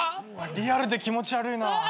リアルで気持ち悪いな。